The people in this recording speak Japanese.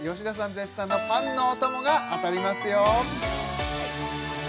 絶賛のパンのおともが当たりますよ